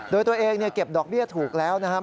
โดยตัวเองเก็บดอกเบี้ยถูกแล้วนะครับ